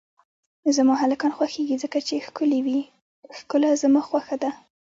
زما هلکان خوښیږی ځکه چی ښکلی وی ښکله زما خوشه ده